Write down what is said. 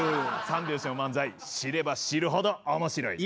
三拍子の漫才知れば知るほど面白い。